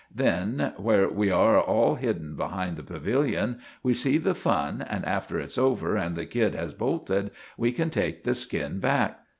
Then, where we are all hidden behind the pavilion, we see the fun, and after it's over and the kid has bolted, we can take the skin back."